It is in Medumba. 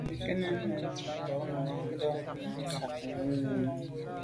Mə́ gə nɛ̄n tsjə́ə̀də̄ bā núngā ndà’djú mə́ fá yɔ̀ mùní.